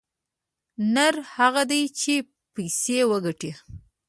نر هغه دى چې پيسې وگټي.